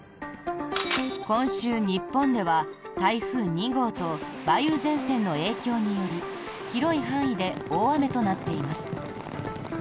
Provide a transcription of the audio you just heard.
今週、日本では台風２号と梅雨前線の影響により広い範囲で大雨となっています。